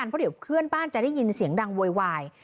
เพราะเดี๋ยวเพื่อนบ้านจะได้ยินเสียงดังโวยวาย